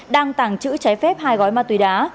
đang tàng trữ trái phép hai gói ma túy đá